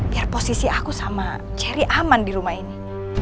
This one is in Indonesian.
biar posisi aku sama cherry aman di rumah ini